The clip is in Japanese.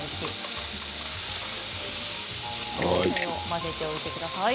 混ぜておいてください。